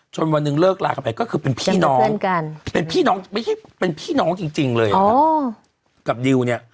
จนวันหนึ่งเลิกลากลายก็คือเป็นพี่น้องเป็นพี่น้องจริงเลยครับกับดิว